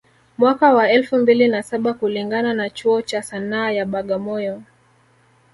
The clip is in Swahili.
Mwaka wa elfu mbili na saba kulingana na chuo cha Sanaa ya Bagamoyo